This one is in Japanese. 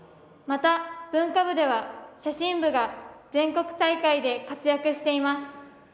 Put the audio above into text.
また文化部では、写真部が全国大会で活躍しています。